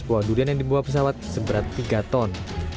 uang durian yang dibawa pesawat seberat tiga ton